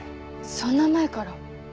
そんな前から。